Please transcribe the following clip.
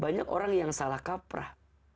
banyak orang yang salah kaprah